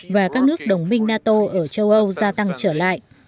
và các nước đồng minh nato ở châu âu gia tăng trở lại